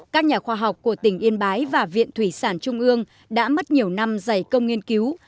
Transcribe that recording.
các nhà khoa học của tỉnh yên bái và viện thủy sản trung ương đã mất nhiều năm dày công nghiên cứu